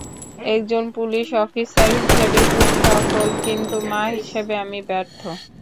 একজন police officer হিসেবে, তুই সফল, কিন্তু মা হিসেবে আমি ব্যর্থ।